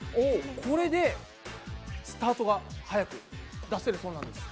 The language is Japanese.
これでスタートが速く出せるそうなんです。